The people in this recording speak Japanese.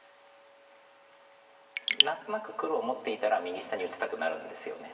何となく黒持っていたら右下に打ちたくなるんですよね。